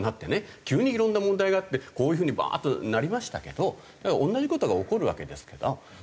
急にいろんな問題があってこういう風にバーッとなりましたけど同じ事が起こるわけですけど。